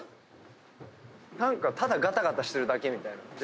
ただガタガタしてるだけみたいな。